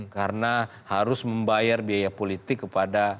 karena harus membayar biaya politik kepada